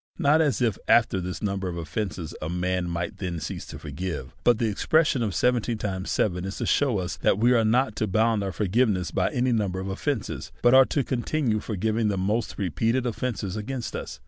Not as if after this num ber of offences a man might then cease to forgive ; by the expression of seventy times seven, is to shew us that we are not to bound our forg iveness by any number of offences, but are to continue forgiving the most repeated offences against us.